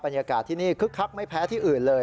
บรรยากาศที่นี่คึกคักไม่แพ้ที่อื่นเลย